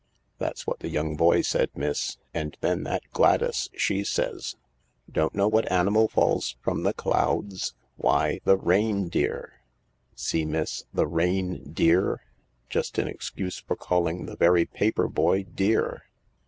" That's what the young boy said, miss. And then that Gladys, she says, ' Don't know what animal falls from the clouds ? Why, the reindeer.' See, miss ?— the rain Dear. Just an excuse for calling the very paper boy ' Dear.'